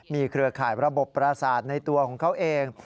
เครือข่ายระบบประสาทในตัวของเขาเอง